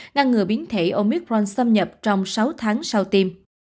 ngăn ngừa biến thể omicron xâm nhập trong sáu tháng sau tiêm